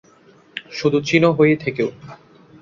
শুধু চিনো হয়েই থেকো।